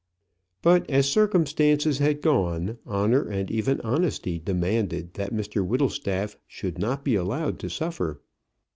But as circumstances had gone, honour and even honesty demanded that Mr Whittlestaff should not be allowed to suffer.